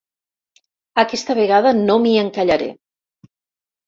Aquesta vegada no m'hi encallaré.